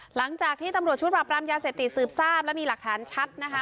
หลังจากที่ตำรวจชุดปรับรามยาเสพติดสืบทราบและมีหลักฐานชัดนะคะ